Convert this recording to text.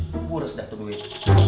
buat berus dah tuh duit